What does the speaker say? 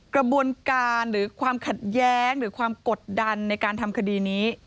กระบวนการหรือความขัดแย้งหรือความกดดันในการทำคดีนี้